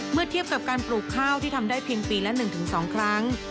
เมื่อเทียบกับการปลูกข้าวที่ทำได้เพียงปีละ๑๒ครั้ง